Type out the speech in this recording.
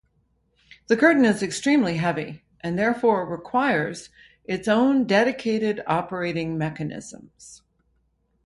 The curtain is extremely heavy and therefore requires its own dedicated operating mechanisms.